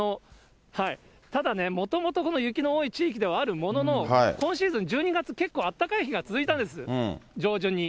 ただね、もともと雪の多い地域ではあるものの、今シーズン１２月、結構あったかい日が続いたんです、上旬に。